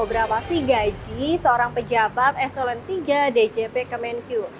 berapa sih gaji seorang pejabat eselon tiga djp kemenkyu